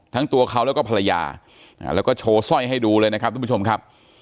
ทั้งตัวเขาแล้วก็ภรรยาแล้วก็โชว์สร้อยให้ดูเลยนะครับทุกผู้ชมครับ